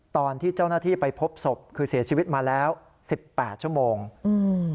ตอนที่เจ้าหน้าที่ไปพบศพคือเสียชีวิตมาแล้วสิบแปดชั่วโมงอืม